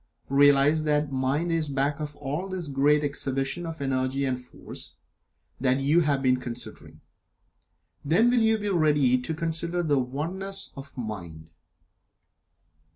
Realize that Mind is back of all this great exhibition of Energy and Force that you have been considering. Then will you be ready to consider the Oneness of Mind.